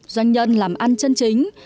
doanh nhân làm ăn chân chính